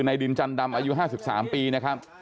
ในดินจันดำอายุ๕๓ปีนะครับ